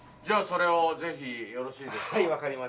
じゃあそれをぜひよろしいですか？